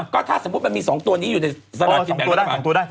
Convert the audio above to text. ก็ถ้าสมมุติมันมี๒ตัวนี้อยู่ในสลากินแบ่งรัฐบาล